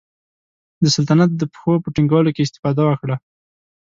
د سلطنت د پښو په ټینګولو کې استفاده وکړه.